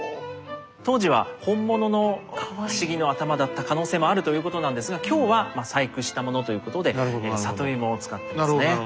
当時は本物の鴫の頭だった可能性もあるということなんですが今日は細工したものということで里芋を使ってますね。